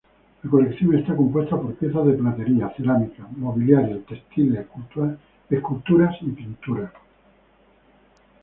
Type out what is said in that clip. La colección está compuesta por piezas de platería, cerámica, mobiliario, textiles, esculturas y pinturas.